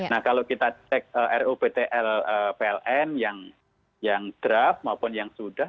nah kalau kita cek ruptl pln yang draft maupun yang sudah